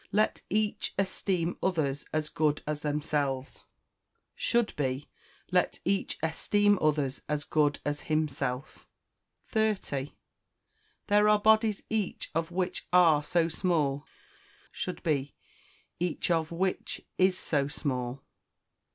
"Let each esteem others as good as themselves," should be, "Let each esteem others as good as himself." 30. "There are bodies each of which are so small," should be, "each of which is so small."